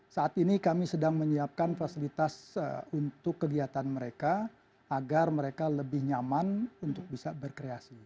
saat ini kami sedang menyiapkan fasilitas untuk kegiatan mereka agar mereka lebih nyaman untuk bisa berkreasi